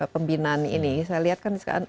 pembinaan ini saya lihat kan sekarang